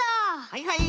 はいはい！